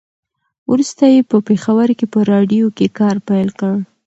وروسته یې په پېښور کې په راډيو کې کار پیل کړ.